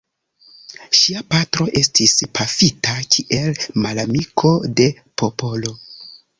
Ŝia patro estis pafita kiel «malamiko de popolo».